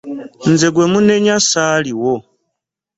Nze gwe munenya ssaaliwo.